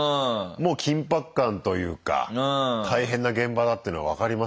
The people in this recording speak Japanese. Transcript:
もう緊迫感というか大変な現場だっていうのは分かりましたな。